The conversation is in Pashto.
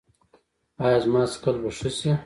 ایا زما څکل به ښه شي؟